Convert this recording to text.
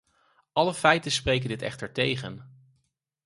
Alle feiten spreken dit echter tegen.